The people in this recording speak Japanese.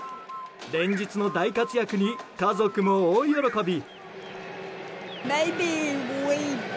連日の大活躍に家族も大喜び。